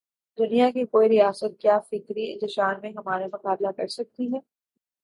دنیا کی کوئی ریاست کیا فکری انتشار میں ہمارا مقابلہ کر سکتی ہے؟